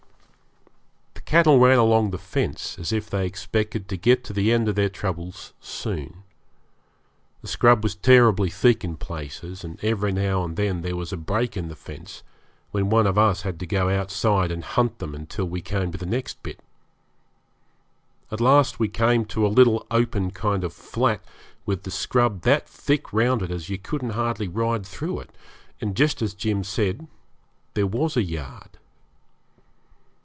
The cattle ran along the fence, as if they expected to get to the end of their troubles soon. The scrub was terribly thick in places, and every now and then there was a break in the fence, when one of us had to go outside and hunt them until we came to the next bit. At last we came to a little open kind of flat, with the scrub that thick round it as you couldn't hardly ride through it, and, just as Jim said, there was the yard.